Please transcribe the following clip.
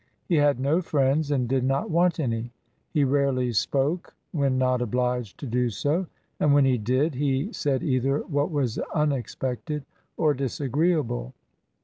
He had no friends, and did not want any. He rarely spoke when not obliged to do so; and when he did, he said either what was unexpected or disagreeable.